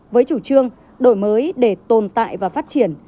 với chủ trương đổi mới để tồn tại và phát triển